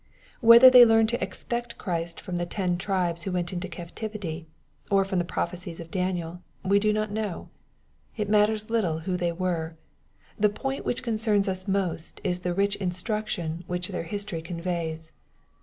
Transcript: Whether they learned to expect Christ from the ten tribes who went into captivity, or from the prophecies of Daniel, we do not know. It matters little who they were. The point which concerns us most is the rich instruction which their history conveys.